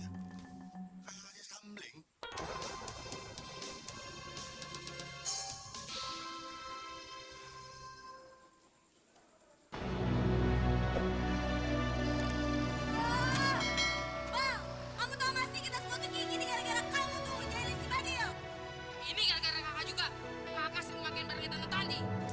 kakak sering memakai barang kita nanti